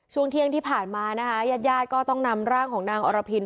ช่วงเที่ยงที่ผ่านมานะคะญาติญาติก็ต้องนำร่างของนางอรพิน